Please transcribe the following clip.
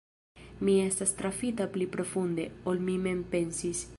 Mi estas trafita pli profunde, ol mi mem pensis.